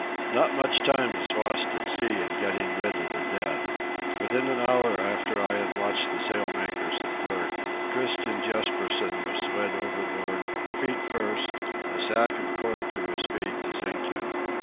Not much time is lost at sea in getting rid of the dead. Within an hour after I had watched the sail makers at work Christian Jespersen was slid overboard, feet first, a sack of coal to his feet to sink him.